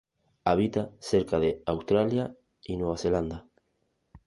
Habita cerca de Australia y Nueva Zelanda.